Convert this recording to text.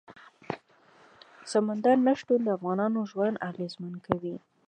سمندر نه شتون د افغانانو ژوند اغېزمن کوي.